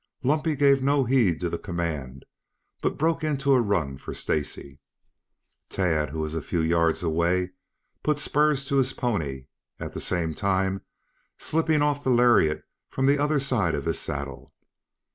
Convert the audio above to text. Lumpy gave no heed to the command, but broke into a run for Stacy. Tad, who was a few rods away, put spurs to his pony, at the same time slipping off the lariat from the other side of his saddle.